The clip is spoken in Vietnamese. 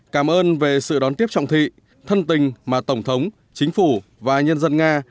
cảm ơn về sự đón tiếp trọng thị thân tình mà tổng thống chính phủ và nhân dân nga